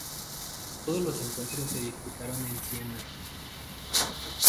Todos los encuentros se disputaron en Siena.